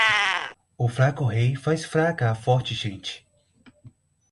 O fraco rei faz fraca a forte gente